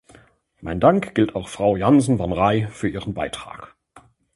Mein Dank gilt auch Frau Janssen van Raay für Ihren Beitrag.